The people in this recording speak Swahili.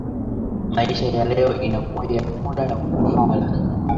Maisha ya leo inakuwa ya kula na kuvala